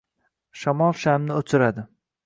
Shamol shamni o`chiradi